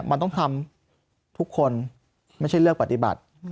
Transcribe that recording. มันต้องทำทุกคนไม่ใช่เลือกปฏิบัติ